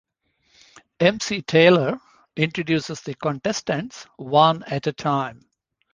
Emcee Taylor introduces the contestants one at a time.